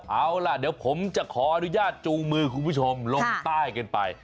เอาล่ะเดี๋ยวผมจะขออนุญาตจูงมือคุณผู้ชมลงใต้กันไป